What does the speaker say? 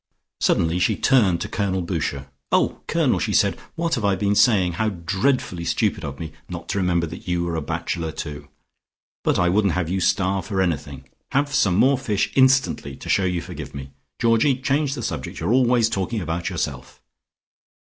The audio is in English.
Suddenly she turned to Colonel Boucher. "Oh, Colonel," she said. "What have I been saying? How dreadfully stupid of me not to remember that you were a bachelor too. But I wouldn't have you starve for anything. Have some more fish instantly to shew you forgive me. Georgie change the subject you're always talking about yourself."